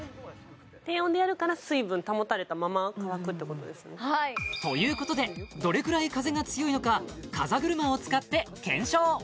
低温でやるから水分保たれたまま乾くってことですねはいということでどれくらい風が強いのか風車を使って検証